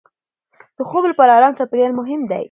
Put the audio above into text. د خوب لپاره ارام چاپېریال مهم دی.